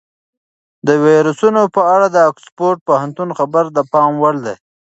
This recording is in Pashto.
د ویروسونو په اړه د اکسفورډ پوهنتون خبره د پام وړ ده.